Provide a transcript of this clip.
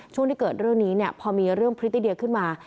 ช่วงที่เกิดเรื่องนี้เนี่ยพอมีเรื่องพริตติเดียขึ้นมา